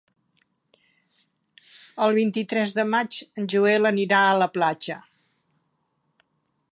El vint-i-tres de maig en Joel anirà a la platja.